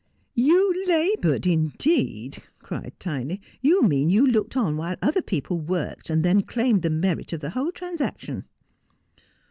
' You laboured, indeed !' cried Tiny. ' You mean you looked on while other people worked, and then claimed the merit of the whole transaction.'